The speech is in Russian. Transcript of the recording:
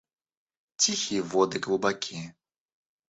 Тихие воды глубоки.